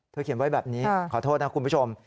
เขียนไว้แบบนี้ขอโทษนะคุณผู้ชม